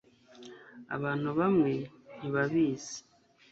Abantu bamwe ntibabizi